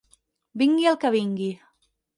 Vingui el que vingui.